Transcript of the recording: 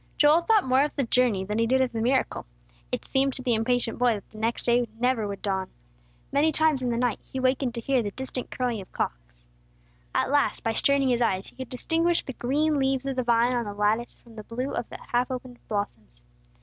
Joel thought more of the journey than he did of the miracle. It seemed to the impatient boy that the next day never would dawn. Many times in the night he wakened to hear the distant crowing of cocks. At last, by straining his eyes he could distinguish the green leaves of the vine on the lattice from the blue of the half opened blossoms.